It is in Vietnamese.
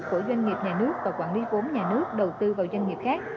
của doanh nghiệp nhà nước và quản lý vốn nhà nước đầu tư vào doanh nghiệp khác